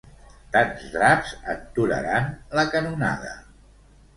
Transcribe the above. Tants draps enturaran la canonada.